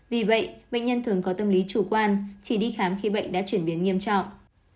vì vậy bệnh nhân thường có tâm lý chủ quan chỉ đi khám khi bệnh đã chuyển biến nghiêm trọng